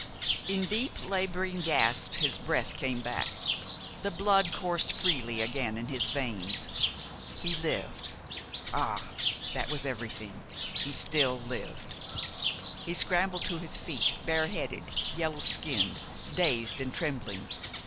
In deep, laboring gasps his breath came back. The blood coursed freely again in his veins. He lived ah, that was everything he still lived! He scrambled to his feet, bare headed, yellow skinned, dazed, and trembling.